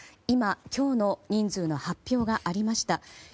今、今日の人数の発表がありました。